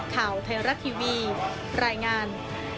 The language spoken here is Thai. ข่าวไทยรัฐทีวีรายงาน